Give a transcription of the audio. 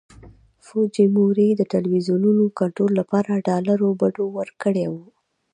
فوجیموري د ټلویزیونونو کنټرول لپاره ډالرو بډو ورکړي وو.